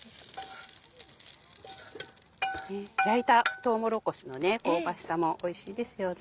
焼いたとうもろこしの香ばしさもおいしいですよね。